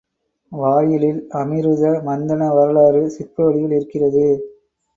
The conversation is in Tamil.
வாயிலில் அமிருத மந்தன வரலாறு சிற்ப வடிவில் இருக்கிறது.